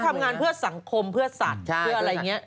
ทำงานเพื่อสังคมเพื่อสัตว์เพื่ออะไรอย่างนี้